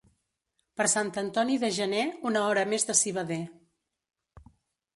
Per Sant Antoni de gener, una hora més de civader.